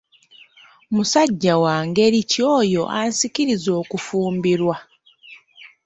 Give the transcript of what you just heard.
Musajja wa ngeri ki oyo ansikiriza okufumbirwa?